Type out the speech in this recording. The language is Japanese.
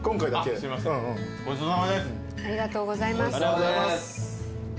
ありがとうございます。